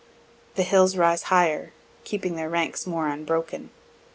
The hills rise higher keep their ranks more unbroken.